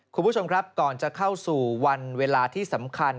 คุณผู้ชมครับก่อนจะเข้าสู่วันเวลาที่สำคัญ